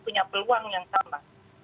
punya peluang yang sama